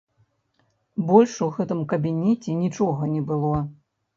Больш у гэтым кабінеце нічога не было.